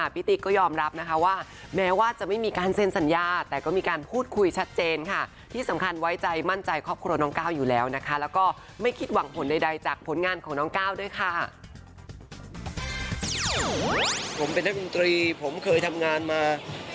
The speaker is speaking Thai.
ผมเป็นนักกรุงตรีผมเคยทำงานมา